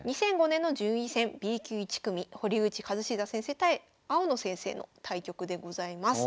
２００５年の順位戦Ｂ級１組堀口一史座先生対青野先生の対局でございます。